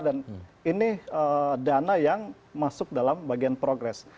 dan ini dana yang masuk dalam bagian progres